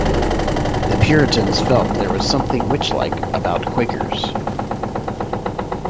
The Puritans felt there was something "witchlike" about Quakers.